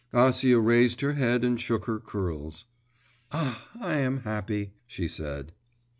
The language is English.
…' Acia raised her head and shook her curls. 'Ah, I am happy,' she said.